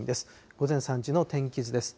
午前３時の天気図です。